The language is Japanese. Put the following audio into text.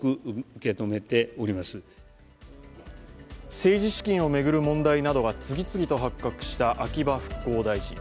政治資金を巡る問題などが次々と発覚した秋葉復興大臣。